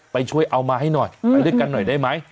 ไปช่วยเอามาให้หน่อยไปด้วยกันหน่อยได้ไหม